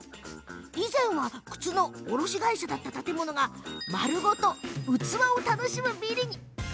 以前は靴の卸だった建物が丸ごと器を楽しむビルに。